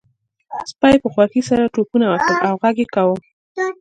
سپي په خوښۍ سره ټوپونه وهل او غږ یې کاوه